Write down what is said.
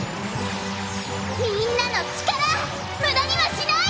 みんなの力無駄にはしない！